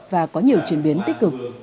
và có nhiều chuyển biến tích cực